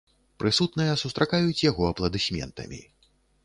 Прысутныя сустракаюць яго апладысментамі.